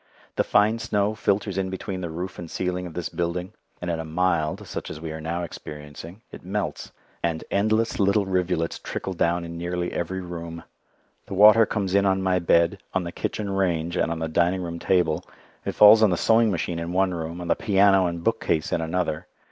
The fine snow filters in between the roof and ceiling of this building, and in a "mild," such as we are now experiencing, it melts, and endless little rivulets trickle down in nearly every room. The water comes in on my bed, on the kitchen range, and on the dining room table. It falls on the sewing machine in one room, on the piano and bookcase in another.